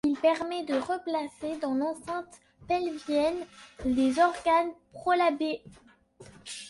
Il permet de replacer dans l'enceinte pelvienne les organes prolabés.